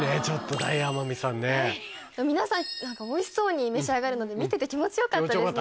皆さんおいしそうに召し上がるので見てて気持ちよかったですね。